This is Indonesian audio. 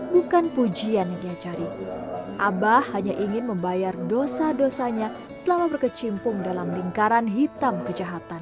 bukan pujian yang dia cari abah hanya ingin membayar dosa dosanya selama berkecimpung dalam lingkaran hitam kejahatan